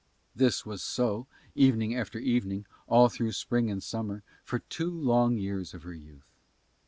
This was so evening after evening all through spring and summer for two long years of her youth.